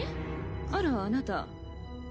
あらあなた。